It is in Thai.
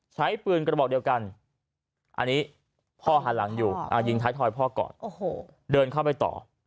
ใช้ปืนกระบอกเดียวกันอันนี้พ่อหันหลังอยู่ยิงท้ายทอยพ่อก่อนเดินเข้าไปต่อ